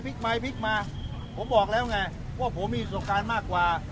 พลิกไม้พลิกมาผมบอกแล้วไงว่าผมมีสุขการมากกว่า